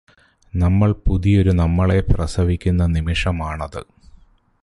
നമ്മള് പുതിയൊരു നമ്മളെ പ്രസിവിക്കുന്ന നിമിഷമാണത്